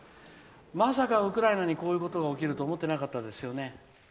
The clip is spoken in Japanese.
まさかウクライナにこういうことが起きると思ってなかったですよね。